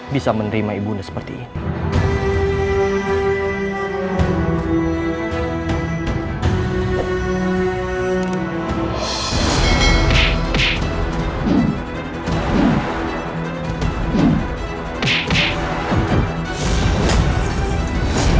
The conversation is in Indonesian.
bisa menerima ibu undang seperti ini